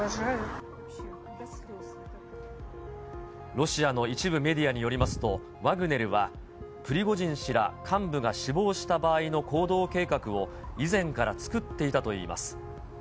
ロシアの一部メディアによりますと、ワグネルは、プリゴジン氏ら幹部が死亡した場合の行動計画を以前から作っていたといいます。